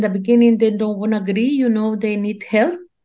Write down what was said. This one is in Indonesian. tapi ada banyak perkhidmatan